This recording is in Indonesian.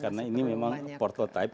karena ini memang portotype